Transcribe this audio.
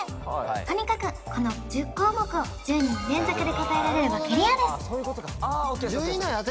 とにかくこの１０項目を１０人連続で答えられればクリアですああＯＫです